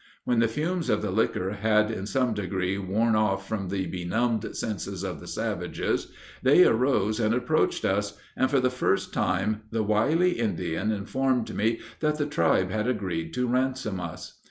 When the fumes of the liquor had in some degree worn off from the benumbed senses of the savages, they arose and approached us, and, for the first time, the wily Indian informed me that the tribe had agreed to ransom us.